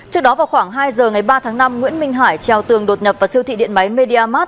trước đó vào khoảng hai giờ ngày ba tháng năm nguyễn minh hải treo tường đột nhập vào siêu thị điện máy media mar